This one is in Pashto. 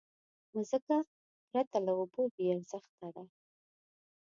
مځکه پرته له اوبو بېارزښته ده.